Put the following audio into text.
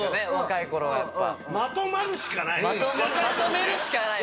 まとめるしかない。